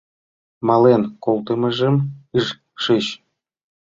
Мален колтымыжым ыш шиж...